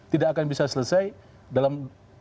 tidak akan bisa selesai dalam